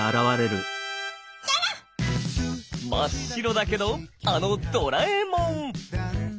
真っ白だけどあのドラえもん！